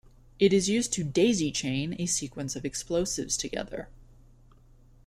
It is used to "daisychain" a sequence of explosives together.